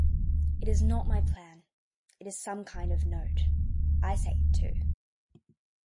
It's not my plan, it's some kind of note, I say it too.